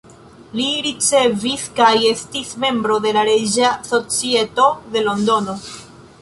Li ricevis kaj estis membro de la Reĝa Societo de Londono.